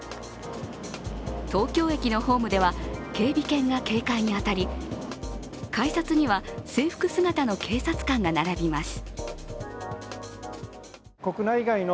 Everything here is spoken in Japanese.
東京駅のホームでは警備犬が警戒に当たり改札には制服姿の警察官が並びます。